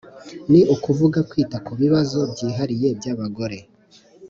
Ni ukuvuga kwita ku bibazo byihariye by abagore